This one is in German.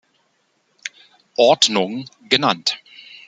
Ordnung" genannt.